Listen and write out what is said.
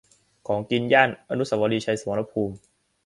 ของกินย่าน อนุสาวรีย์ชัยสมรภูมิ